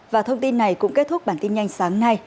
và thông tin này cũng kết thúc bản tin nhanh sáng nay